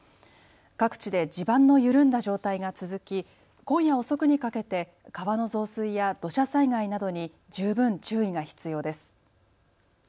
各地で地盤の緩んだ状態が続き今夜遅くにかけて川の増水や土砂災害などに十分注意が必要です。